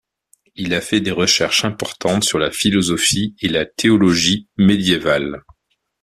Il a fait des recherches importantes sur la philosophie et la théologie médiévale.